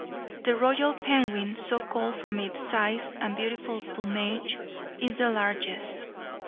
The royal penguin, so called from its size and beautiful plumage, is the largest.